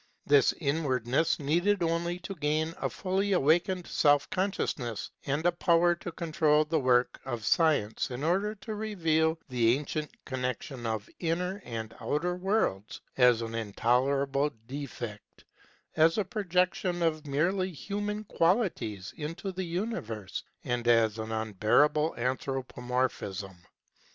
This inwardness needed only to gain a fully awakened self conscious ness and a power to control the work of science in order to reveal the ancient con nection of inner and outer worlds as an 36 KNOWLEDGE AND LIFE intolerable defect as a projection of merely human qualities into the universe, and as an unbearable anthropomorphism.